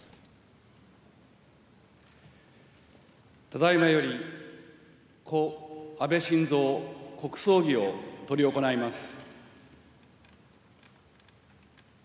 ただいまより、故・安倍晋三国葬儀を執り行います。